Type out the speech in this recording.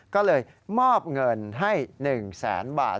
ก็เลยมอบเงินให้๑แสนบาท